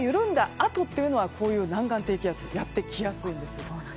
あとこうした南岸低気圧がやってきやすいんです。